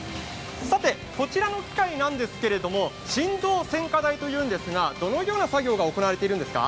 こちらの機械なんですけれども、振動選果台というんですがどのような作業が行われているんですか？